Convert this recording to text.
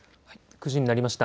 ９時になりました。